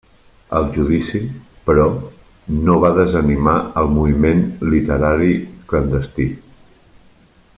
El judici, però, no va desanimar el moviment literari clandestí.